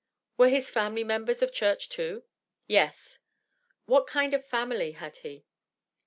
"Were his family members of church, too?" "Yes." "What kind of family had he?"